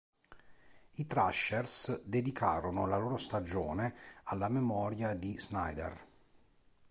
I Thrashers dedicarono la loro stagione alla memoria di Snyder.